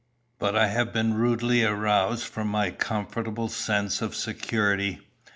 "But I have been rudely aroused from my comfortable sense of security.